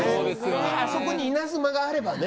あそこに稲妻があればね。